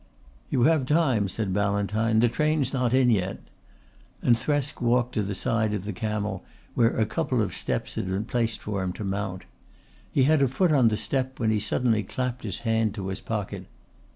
"You have time," said Ballantyne. "The train's not in yet," and Thresk walked to the side of the camel, where a couple of steps had been placed for him to mount. He had a foot on the step when he suddenly clapped his hand to his pocket.